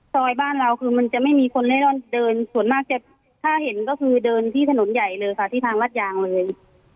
ซอยบ้านเราคือมันจะไม่มีคนเล่นร่อนเดินส่วนมากจะถ้าเห็นก็คือเดินที่ถนนใหญ่เลยค่ะที่ทางรัฐยางเลย